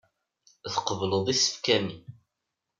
Tqebleḍ isefka-nni.